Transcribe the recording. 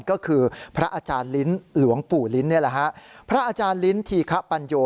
ก็คือพระอาจารย์ลิ้นหรือว่าหลวงปู่ลิ้นธีขปัญโย